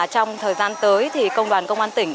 trong thời gian tới thì công đoàn công an tỉnh